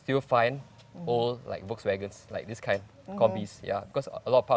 tentu saja sekarang kamu sedang mencari